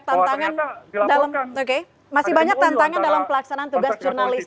ternyata masih banyak tantangan dalam pelaksanaan tugas jurnalistik